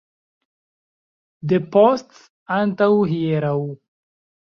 Depost antaŭhieraŭ.